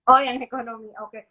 oh yang ekonomi oke